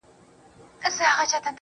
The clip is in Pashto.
صبر انسان ثابت ساتي.